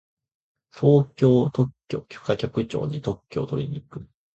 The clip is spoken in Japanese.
東京特許許可局に特許をとりに行く。